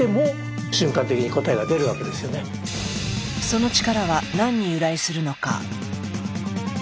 その力は何に由来するのか。